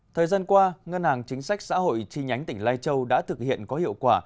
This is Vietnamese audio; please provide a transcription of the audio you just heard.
thời gian qua ngân hàng chính sách xã hội chi nhánh tỉnh lai châu đã thực hiện có hiệu quả